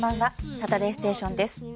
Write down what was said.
「サタデーステーション」です。